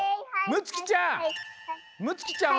むつきちゃん！